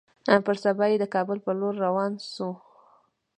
پر سبا يې د کابل پر لور روان سو.